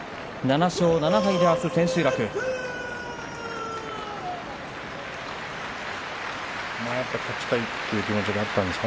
７勝７敗であす千秋楽を迎えます。